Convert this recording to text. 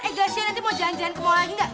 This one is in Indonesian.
eh gracia nanti mau jalan jalan ke mall lagi nggak